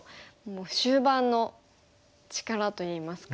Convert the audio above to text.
終盤の力といいますか。